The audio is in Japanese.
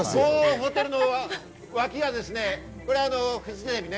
某ホテルの脇はフジテレビね。